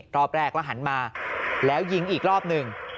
รอบแรกแล้วหันมาแล้วยิงอีกรอบหนึ่ง